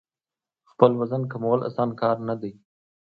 خپل وزن کمول اسانه کار نه دی.